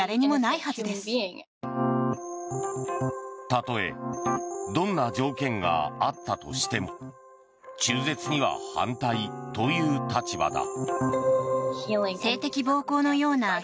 たとえどんな条件があったとしても中絶には反対という立場だ。